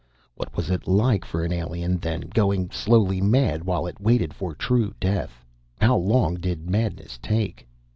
What was it like for an alien then, going slowly mad while it waited for true death? How long did madness take?